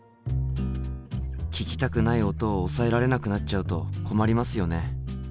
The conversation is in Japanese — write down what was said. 聞きたくない音を抑えられなくなっちゃうと困りますよね。